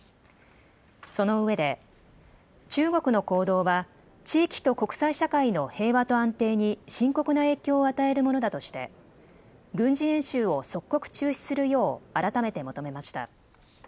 そのうえで中国の行動は地域と国際社会の平和と安定に深刻な影響を与えるものだとして軍事演習を即刻中止するよう改めて求めました。